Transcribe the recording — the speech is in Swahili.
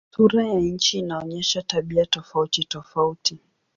Sura ya nchi inaonyesha tabia tofautitofauti.